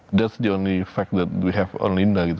itu saja fakta yang kita punya pada linda